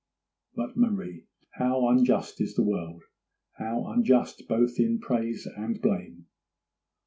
'But Marie, how unjust is the world; how unjust both in praise and blame!